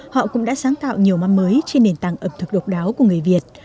họ cũng đã sáng tạo nhiều mắm mới trên nền tảng ẩm thực độc đáo của người việt